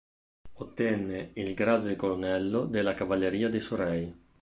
Ottenne il grado di colonnello della cavalleria di Surrey.